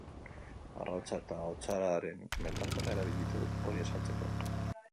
Arrautza eta otzararen metafora erabili du hori azaltzeko.